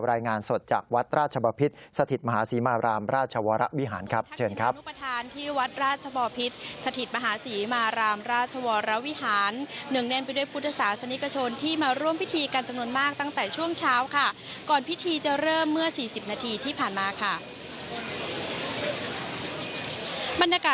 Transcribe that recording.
รายงานสดจากวัดราชบภิษฐ์สถิตมหาศรีมาพราหมณ์ราชวรวิหารนะครับ